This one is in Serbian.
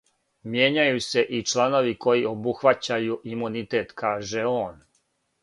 Мијењању се и чланови који обухваћају имунитет, каже он.